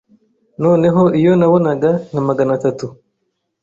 noneho iyo nabonaga nka maganatatu